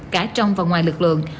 cả trong và ngoài lực lượng